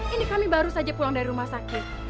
ini kami baru saja pulang dari rumah sakit